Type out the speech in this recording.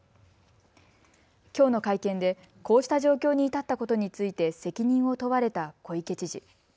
きょうの会見でこうした状況に至ったことについて責任を問われた小池知事。